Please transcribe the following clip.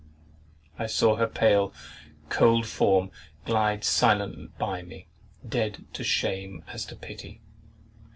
I saw her pale, cold form glide silent by me, dead to shame as to pity.